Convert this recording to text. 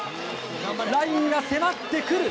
ラインが迫ってくる。